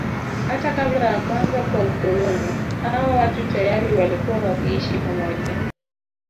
Hata kabla ya kuanza kwa ukoloni hawa watu tayari walikuwa wakiishi pamoja